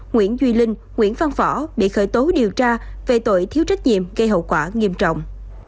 nguyễn duy linh nguyễn phan phở bị khởi tố điều tra về tội thiếu trách nhiệm gây hậu quả nghiêm trọng